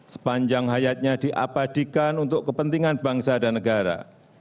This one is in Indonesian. sepanjang hayatnya diabadikan untuk kepentingan bangsa dan negara